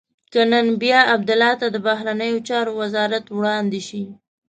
که نن بیا عبدالله ته د بهرنیو چارو وزارت وړاندې شي.